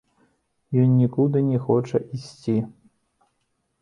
Ён нікуды не хоча ісці.